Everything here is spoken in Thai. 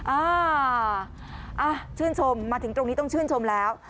อ่าชื่นชมมาถึงตรงนี้ต้องชื่นชมแล้ว